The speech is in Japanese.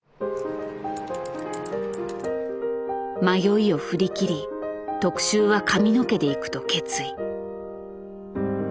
迷いを振り切り特集は髪の毛でいくと決意。